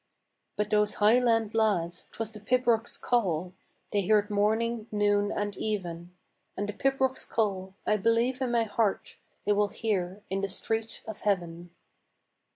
But those highland lads, 'twas the pibroch's call They heard morning, noon, and even, And the pibroch's call, I believe in my heart, They will hear in the streets of heaven.